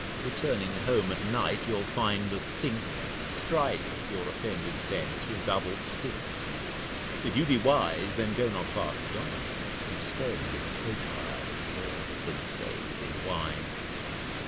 Returning Home at Night, you'll find the Sink Strike your offended Sense with double Stink. If you be wise, then go not far to Dine, You spend in Coach hire more than save in Wine.